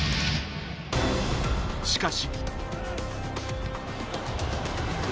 しかし。